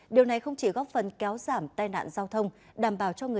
điều này không chỉ góp phần kéo giảm tai nạn giao thông